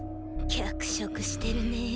脚色してるねェ。